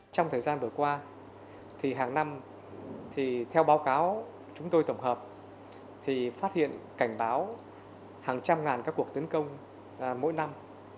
trong thời gian vừa qua thì hàng năm theo báo cáo chúng tôi tổng hợp thì phát hiện cảnh báo hàng trăm ngàn các cuộc tấn công mỗi năm